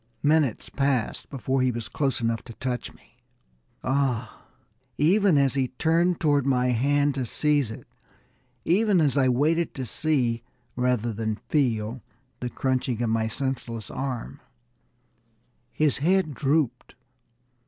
Minutes passed before he was close enough to touch me. Ah! Even as he turned toward my hand to seize it, even as I waited to see, rather than feel, the crunching of my senseless arm, his head drooped.